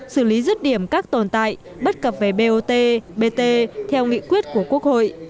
xử lý rứt điểm các tồn tại bất cập về bot bt theo nghị quyết của quốc hội